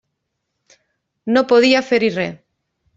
No podia fer-hi res.